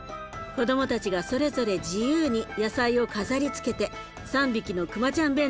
子どもたちがそれぞれ自由に野菜を飾りつけて３匹のくまちゃん